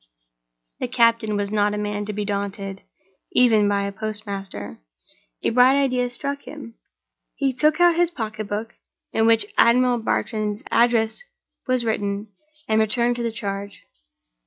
The captain was not a man to be daunted, even by a postmaster. A bright idea struck him. He took out his pocketbook, in which Admiral Bartram's address was written, and returned to the charge.